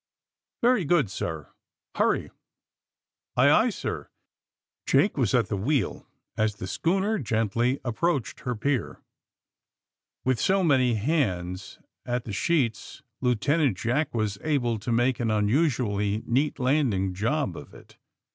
Very good, sir." '>Hurry!" Aye, aye, sir.'^ Jake was at the wheel as the schooner gently approached her pier. With so many hands at the sheets Lieutenant Jack was able to make an unusually neat landing job of it.